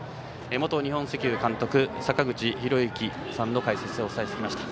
元日本石油監督坂口裕之さんの解説でお伝えしてきました。